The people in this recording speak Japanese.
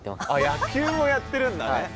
野球をやってるんだね。